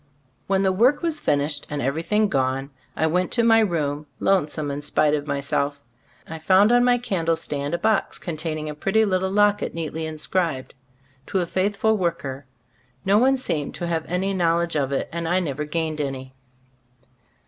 When the work was finished and everything gone, I went to my room, lonesome in spite of myself. I found on my candle stand a box containing a pretty little locket, neatly inscribed, "To a faithful worker." No one seemed to have any knowledge of it, and I never gained any.